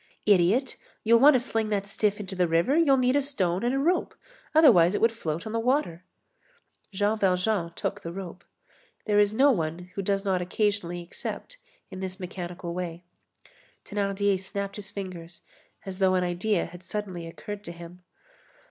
"Idiot, you'll want to sling that stiff into the river, you'll need a stone and a rope, otherwise it would float on the water." Jean Valjean took the rope. There is no one who does not occasionally accept in this mechanical way. Thénardier snapped his fingers as though an idea had suddenly occurred to him.